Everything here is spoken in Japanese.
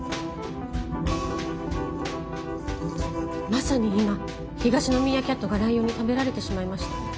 まさに今東のミーアキャットがライオンに食べられてしまいました。